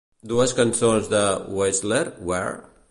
Dues cançons de "Hesher" - "Where?